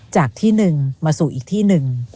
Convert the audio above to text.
จากที่หนึ่งมาสู่อีกที่หนึ่ง